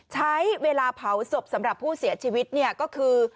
ใช้เวลาเผาศพสำหรับผู้เสียชีวิตเนี่ยก็คือ